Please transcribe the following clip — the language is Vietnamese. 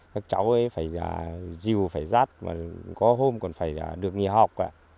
các cháu ấy phải dìu phải rát có hôm còn phải được nghỉ học